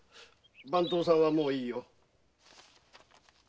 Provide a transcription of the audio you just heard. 番頭さんはもういいよ。